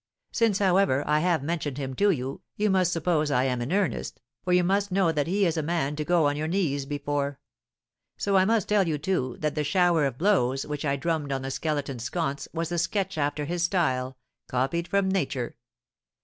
Since, however, I have mentioned him to you, you must suppose I am in earnest, for you must know that he is a man to go on your knees before. So I must tell you, too, that the shower of blows which I drummed on the Skeleton's sconce was a sketch after his style, copied from nature.